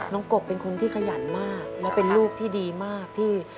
กบเป็นคนที่ขยันมากและเป็นลูกที่ดีมากที่